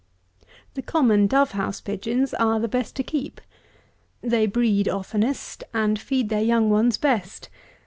182. The common dove house pigeons are the best to keep. They breed oftenest, and feed their young ones best.